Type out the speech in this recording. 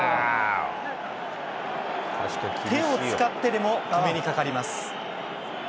手を使ってでも止めにかかります。